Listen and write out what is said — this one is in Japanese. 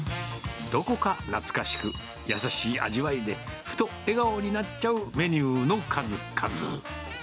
どこか懐かしく、優しい味わいで、ふと笑顔になっちゃうメニューの数々。